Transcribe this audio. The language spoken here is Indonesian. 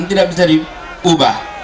tidak bisa diubah